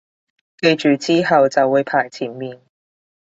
記住之後就會排前面